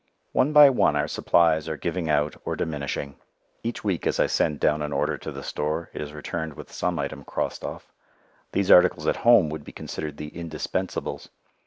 One by one our supplies are giving out or diminishing. Each week as I send down an order to the store it is returned with some item crossed off. These articles at home would be considered the indispensables.